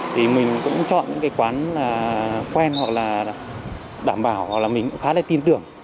thì mình cũng chọn những cái quán quen hoặc là đảm bảo hoặc là mình cũng khá là tin tưởng